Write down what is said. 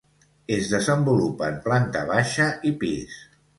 Es desenvolupa en planta baixa i pis.